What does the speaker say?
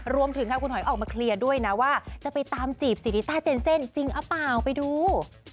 รวมถึงค่ะคุณหอยออกมาเคลียร์ด้วยนะว่าจะไปตามจีบสิริต้าเจนเซ่นจริงหรือเปล่าไปดู